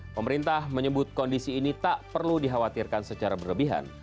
pemerintah menyebut kondisi ini tak perlu dikhawatirkan secara berlebihan